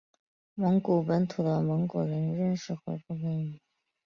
蒙古本土的蒙古人仍以回鹘式蒙古字母为正宗。